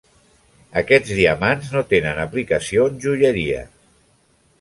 Aquests diamants no tenen aplicació en joieria.